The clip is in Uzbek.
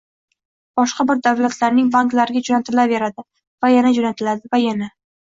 boshqa bir davlatlarning banklariga jo‘natilaveradi... va yana jo‘natiladi... va yana.